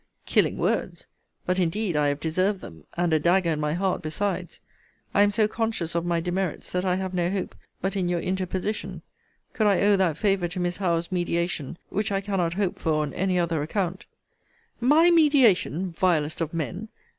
Killing words! But indeed I have deserved them, and a dagger in my heart besides. I am so conscious of my demerits, that I have no hope, but in your interposition could I owe that favour to Miss Howe's mediation which I cannot hope for on any other account My mediation, vilest of men!